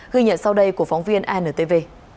ghi nhận sau đây của phóng viên antv